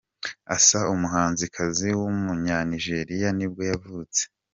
Asa, umuhanzikazi w’umunya-Nigeria nibwo yavutse.